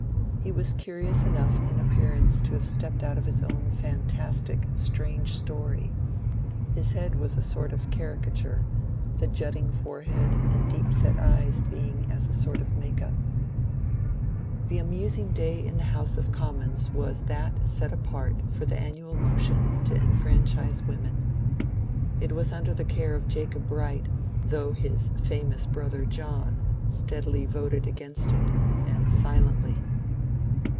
He was curious enough in appearance to have stepped out of his own fantastic ^^ Strange Story.*' His head was a sort of caricature, the jutting forehead and deep set eyes being as a sort of make up. The amusing day in the House of Commons was that set apart for the annual motion to enfranchise women. It was under the care of Jacob Bright, though his famous brother, John, steadily voted against it, and silently.